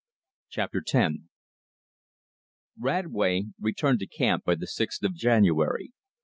Chapter X Radway returned to camp by the 6th of January.